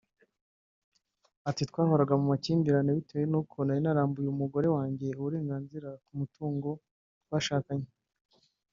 Ati “Twahoraga mu makimbirane bitewe n’uko nari narambuye umugore wanjye uburenganzira ku mutungo twashakanye